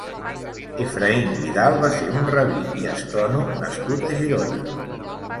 Efraïm Vidal va ser un rabí i astrònom nascut a Girona.